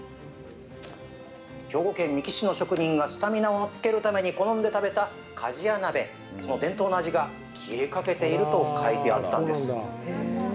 兵庫県三木市の職人がスタミナとつけるために食べた鍛冶屋鍋その伝統の味が消えかけていると書いてあったんです。